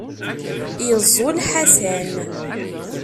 Yeẓẓul Ḥasan.